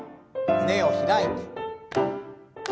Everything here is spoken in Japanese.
胸を開いて。